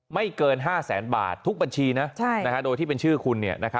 ไม่เกินห้าแสนบาททุกบัญชีนะโดยที่เป็นชื่อคุณเนี่ยนะครับ